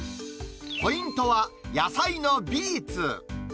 ポイントは野菜のビーツ。